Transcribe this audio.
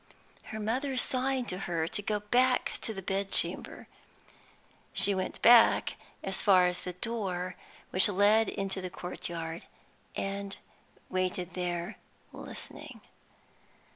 Her mother signed to her to go back to the bed chamber. She went back as far as the door which led into the courtyard, and waited there, listening.